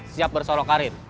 siap bersolok karir